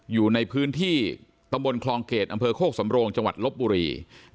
อยู่ในพื้นที่ตำบลคลองเกรดอำเภอโคกสำโรงจังหวัดลบบุรี